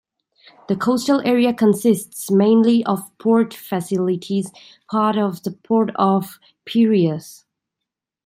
The coastal area consists mainly of port facilities, part of the Port of Piraeus.